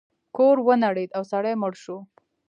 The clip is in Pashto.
کور ونړید او سړی مړ شو.